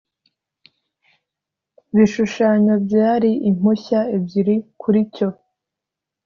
bishushanyo byari impushya ebyiri kuri cyo